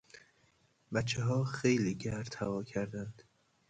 بچهها خیلی گرد هوا کردند.